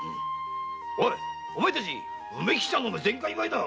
おいお前たち梅吉さんの全快祝いだ。